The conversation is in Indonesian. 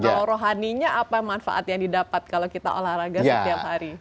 kalau rohaninya apa manfaat yang didapat kalau kita olahraga setiap hari